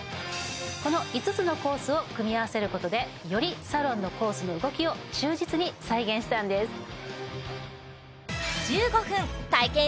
この５つのコースを組み合わせることでよりサロンのコースの動きを忠実に再現したんです